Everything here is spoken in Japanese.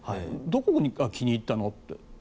どこが気に入ったのって。